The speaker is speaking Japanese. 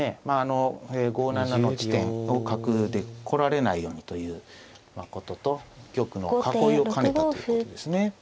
まああの５七の地点を角で来られないようにということと玉の囲いを兼ねたということですね。